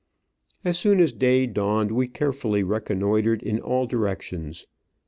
As soon as day dawned we care fiilly reconnoitred in all directions.